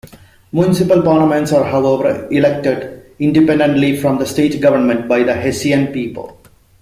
Municipal parliaments are, however, elected independently from the state government by the Hessian people.